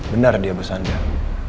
benar dia bersandar